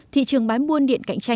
thị trường bán buôn điện cạnh tranh